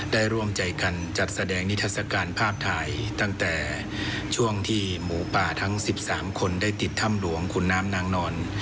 ได้ร่วมใจการจัดแสดงนิทัศกาลภาพไทยตั้งแต่เวลาผ่านสองคนทั้งหมูป่าได้จัดที่ธำหลวงกรุณ้ำนางนอน